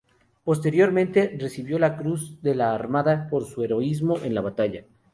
Posteriormente recibió la Cruz de la Armada por su heroísmo en la batalla.